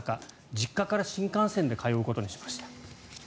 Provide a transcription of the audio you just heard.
実家から新幹線で通うことにしました。